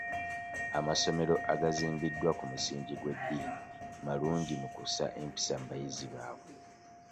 Amasomero agazimbidwa kumusingi gw'eddini malungi mu kussa empisa mu bayizi baabwe.